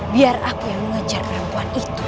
biar aku yang mengejar perempuan itu